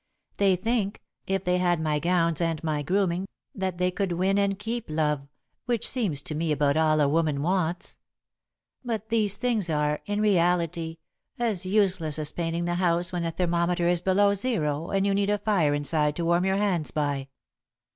They think, if they had my gowns and my grooming, that they could win and keep love, which seems to be about all a woman wants. But these things are, in reality, as useless as painting the house when the thermometer is below zero and you need a fire inside to warm your hands by.